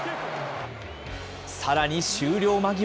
さらに終了間際。